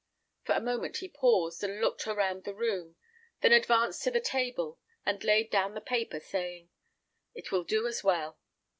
For a moment he paused, and looked around the room, then advanced to the table, and laid down the paper, saying, "It will do as well."